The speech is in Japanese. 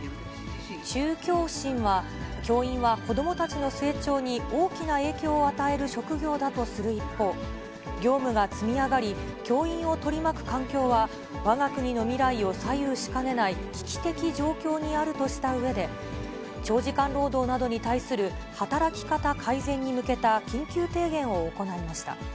中教審は、教員は子どもたちの成長に大きな影響を与える職業だとする一方、業務が積み上がり、教員を取り巻く環境は、わが国の未来を左右しかねない、危機的状況にあるとしたうえで、長時間労働などに対する働き方改善に向けた緊急提言を行いました。